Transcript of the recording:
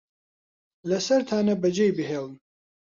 لەسەرتانە بەجێی بهێڵن